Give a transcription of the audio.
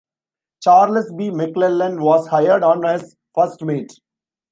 Charles B. McLellan was hired on as first mate.